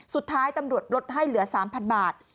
สุดท้ายตำรวจลดให้เหลือ๓๐๐บาท